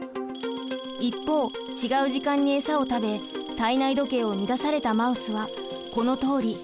一方違う時間にエサを食べ体内時計を乱されたマウスはこのとおり。